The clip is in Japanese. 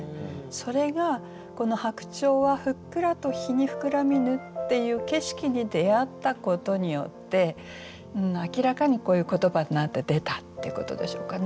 それがこの「白鳥はふっくらと陽にふくらみぬ」っていう景色に出会ったことによって明らかにこういう言葉になって出たってことでしょうかね。